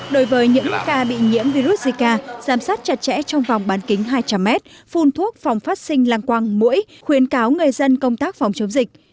đối với những ca bị nhiễm virus zika giám sát chặt chẽ trong vòng bán kính hai trăm linh m phun thuốc phòng phát sinh lang quang mũi khuyến cáo người dân công tác phòng chống dịch